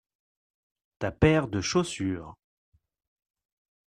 Ta paire de chaussures.